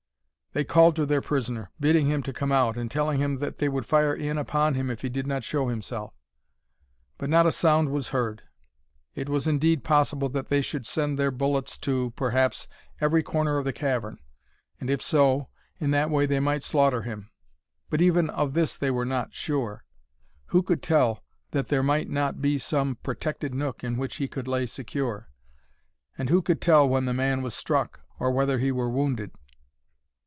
They called to their prisoner, bidding him come out, and telling him that they would fire in upon him if he did not show himself; but not a sound was heard. It was indeed possible that they should send their bullets to, perhaps, every corner of the cavern; and if so, in that way they might slaughter him; but even of this they were not sure. Who could tell that there might not be some protected nook in which he could lay secure? And who could tell when the man was struck, or whether he were wounded?